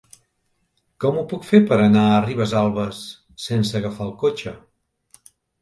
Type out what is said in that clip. Com ho puc fer per anar a Ribesalbes sense agafar el cotxe?